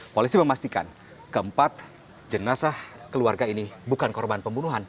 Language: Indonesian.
polisi memastikan keempat jenazah keluarga ini bukan korban pembunuhan